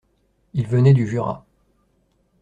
Il venait du Jura.